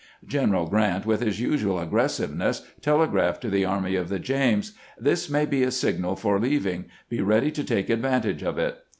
General Grant, with his usual aggressiveness, tele graphed to the Army of the James :" This may be a signal for leaving. Be ready to take advantage of it."